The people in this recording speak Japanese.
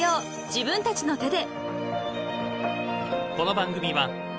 自分たちの手で］